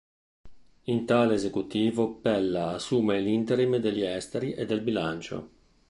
In tale esecutivo Pella assume l'interim degli Esteri e del Bilancio.